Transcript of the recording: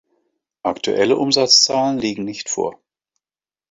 Aktuelle Umsatzzahlen liegen nicht vor.